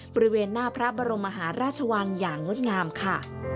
บริเวณโค้งน้ำเจ้าพระยาบริเวณหน้าพระบรมหาราชวังอย่างงดงามค่ะ